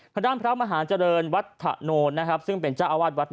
พระดามพระมหาจริงวัดถะโนซึ่งเป็นเจ้าอาวาสวัด